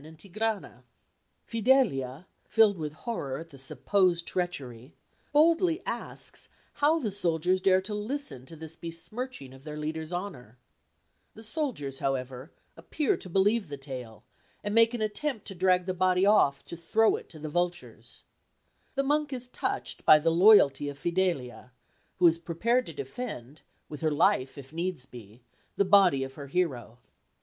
[Illustration: PUCCINI IN HIS STUDY AT HIS MILAN HOUSE Specially photographed by Adolfo Ermini, Milan] Fidelia, filled with horror at the supposed treachery, boldly asks how the soldiers dare to listen to this besmirching of their leader's honour. The soldiers, however, appear to believe the tale, and make an attempt to drag the body off to throw it to the vultures. The monk is touched by the loyalty of Fidelia, who is prepared to defend, with her life if needs be, the body of her hero.